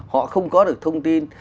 họ không có được thông tin